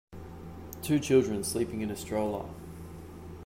Two children sleeping in a stroller.